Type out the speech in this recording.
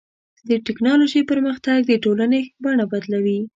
د ټکنالوجۍ پرمختګ د ټولنې بڼه بدلوي.